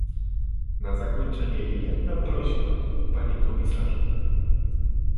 Na zakończenie jedna prośba, panie komisarzu